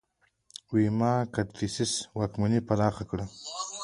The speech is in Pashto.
ویما کدفیسس واکمني پراخه کړه